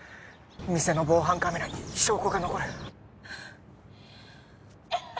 店の防犯カメラに証拠が残る